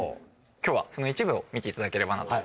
今日はその一部を見ていただければなと。